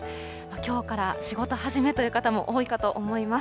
きょうから仕事始めという方も多いかと思います。